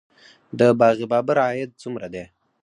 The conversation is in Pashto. د باغ بابر عاید څومره دی؟